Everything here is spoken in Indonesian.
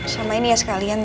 sama ini ya sekalian